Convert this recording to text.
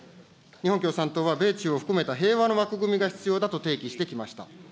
日本共産党は米中を含めた平和の枠組みが必要だと提起してきました。